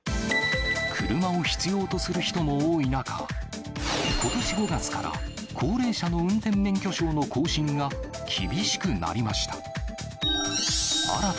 車を必要とする人も多い中、ことし５月から、高齢者の運転免許証の更新が厳しくなりました。